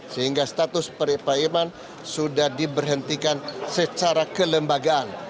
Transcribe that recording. sehingga status peripaiman sudah diberhentikan secara kelembagaan